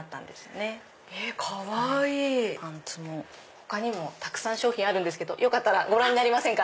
他にもたくさん商品あるんですよかったらご覧になりませんか？